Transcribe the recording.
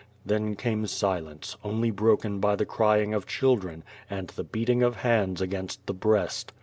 Then came silence, only broken by the crying of children, and the beating of hands against the breast.